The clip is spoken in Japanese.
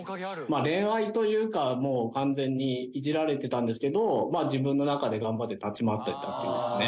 「恋愛というかもう完全にイジられてたんですけど自分の中で頑張って立ち回ってったっていうかね」